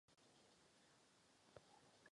Mělo původně jít o závěrečný film celé série.